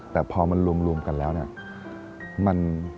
แต่พอมันรวมกันแล้วเนี่ย